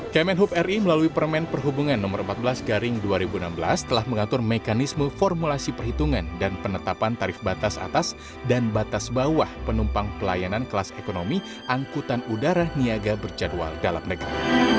kemenhub ri melalui permen perhubungan no empat belas garing dua ribu enam belas telah mengatur mekanisme formulasi perhitungan dan penetapan tarif batas atas dan batas bawah penumpang pelayanan kelas ekonomi angkutan udara niaga berjadwal dalam negeri